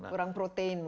kurang protein mungkin